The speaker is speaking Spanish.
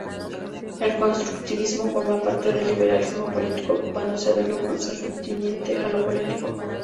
El constructivismo forma parte del liberalismo político, ocupándose de lo concerniente a lo político.